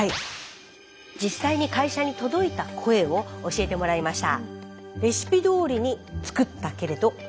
実際に会社に届いた声を教えてもらいました。